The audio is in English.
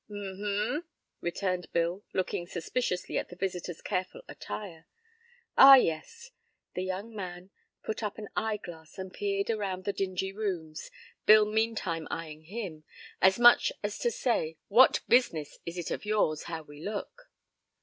"Hm hm," returned Bill, looking suspiciously at the visitor's careful attire. "Ah, yes." The young man put up an eye glass and peered around the dingy rooms, Bill meantime eying him, as much as to say, what business is it of yours how we look?